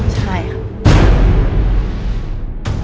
ใช่ค่ะ